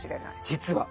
実は。